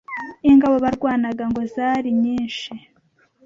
ingabo barwanaga ngo zari nyinshi